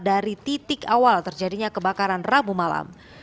dari titik awal terjadinya kebakaran rabu malam